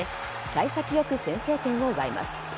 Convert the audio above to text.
幸先よく先制点を奪います。